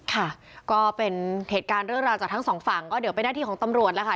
ค่ะก็เป็นเหตุการณ์เรื่องราวจากทั้งสองฝั่งก็เดี๋ยวเป็นหน้าที่ของตำรวจแล้วค่ะ